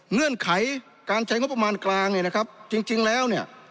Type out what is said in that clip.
เงื่อนไขการใช้งบประมาณกลางเนี่ยนะครับจริงแล้วเนี่ย